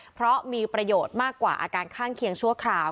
เพราะมีประโยชน์มากกว่าอาการข้างเคียงชั่วคราว